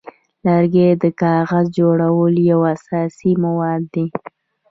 لرګی د کاغذ جوړولو یو اساسي مواد دی.